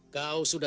kau sudah tahu